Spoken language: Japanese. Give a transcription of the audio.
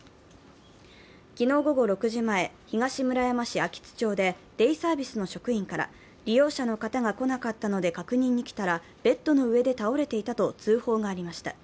昨日午後６時前、東村山市秋津町でデイサービスの職員から利用者の方が来なかったので確認に来たら、ベッドの上で倒れていたと通報がありました。